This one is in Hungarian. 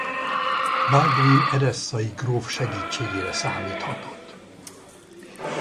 Balduin edesszai gróf segítségére számíthatott.